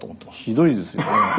ひどいですよね。